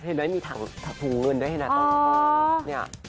เห็นไหมมีถังถุงเงินด้วยนะตอนนี้